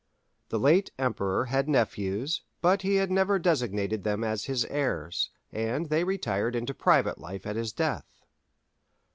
The late emperor had nephews, but he had never designated them as his heirs, and they retired into private life at his death.